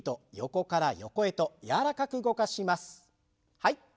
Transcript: はい。